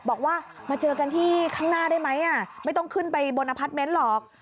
บอกว่ามาเจอกันที่ข้างหน้าได้ไหมไม่ต้องขึ้นไปบนอพาร์ทเมนต์หรอก